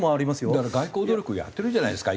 だから外交努力をやってるじゃないですか。